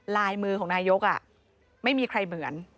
ลายมือของนายกรัฐมนตรีไม่มีใครเหมือน